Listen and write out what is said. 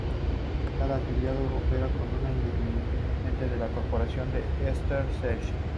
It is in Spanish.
Cada afiliado opera como un independiente de la corporación de Easter Seals.